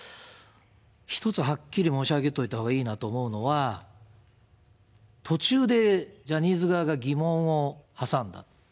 一つはっきり申し上げておいたほうがいいなと思うのは、途中でジャニーズ側が疑問を挟んだ。